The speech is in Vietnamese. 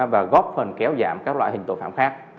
và góp phần kéo giảm các loại hình tội phạm khác